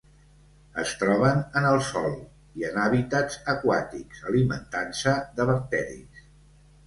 Es troben en el sòl i en hàbitats aquàtics, alimentant-se de bacteris.